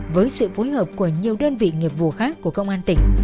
với sự phối hợp của nhiều đơn vị nghiệp vụ khác của công an tỉnh